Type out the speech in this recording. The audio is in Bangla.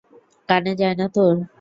কানে যায় না তোর!